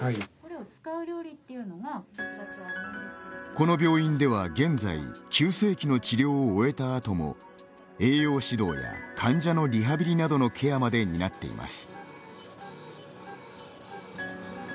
この病院では現在急性期の治療を終えたあとも栄養指導や患者のリハビリなどのケアまで担っています。